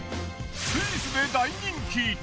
スイスで大人気。